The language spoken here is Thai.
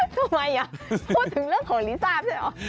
ทำไมพูดถึงเรื่องของลิซ่าด้วยเหรอ